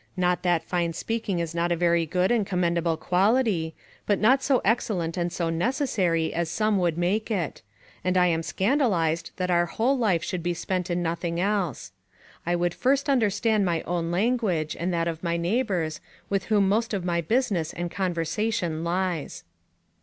Not that fine speaking is not a very good and commendable quality; but not so excellent and so necessary as some would make it; and I am scandalised that our whole life should be spent in nothing else. I would first understand my own language, and that of my neighbours, with whom most of my business and conversation lies.